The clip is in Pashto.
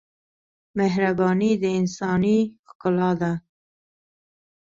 مهرباني د انسانۍ ښکلا ده.